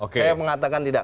saya mengatakan tidak